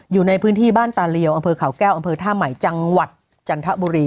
อยู่ในพื้นที่บ้านตาเลียวอำเภอเขาแก้วอำเภอท่าใหม่จังหวัดจันทบุรี